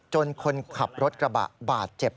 คนขับรถกระบะบาดเจ็บ